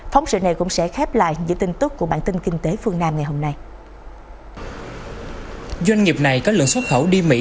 doanh nghiệp này có lượng xuất khẩu đi mỹ